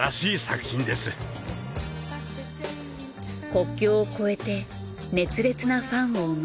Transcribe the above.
国境を越えて熱烈なファンを生む